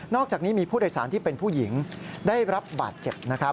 อกจากนี้มีผู้โดยสารที่เป็นผู้หญิงได้รับบาดเจ็บนะครับ